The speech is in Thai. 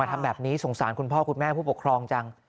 ทำแบบนี้สงสารคุณพ่อคุณแม่ผู้ปกครองจัง